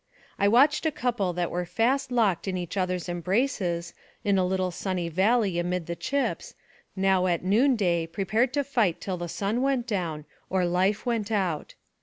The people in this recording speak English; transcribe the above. I watched a couple that were fast locked in each other's embraces, in a little sunny valley amid the chips, now at noon day prepared to fight till the sun went down, or life went out.